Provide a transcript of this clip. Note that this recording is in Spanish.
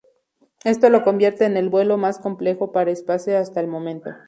Esto lo convierte en el vuelo más complejo para SpaceX hasta el momento.